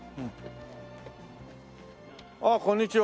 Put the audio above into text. ああこんにちは。